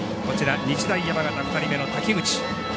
日大山形、２人目の滝口。